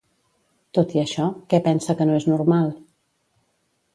Tot i això, què pensa que no és normal?